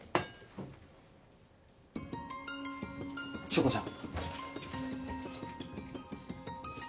チョコちゃん。